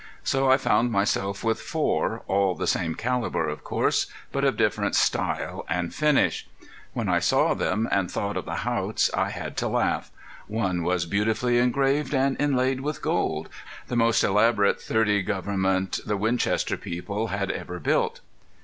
So I found myself with four, all the same caliber of course, but of different style and finish. When I saw them and thought of the Haughts I had to laugh. One was beautifully engraved, and inlaid with gold the most elaborate .30 Gov't the Winchester people had ever built.